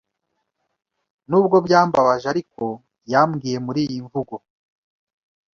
N’ubwo byambabaje ariko yambwiye muri iyi mvugo